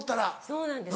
そうなんです